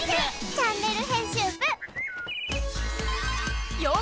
チャンネル編集部」へ！